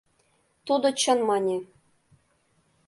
Тудо «чын» мане.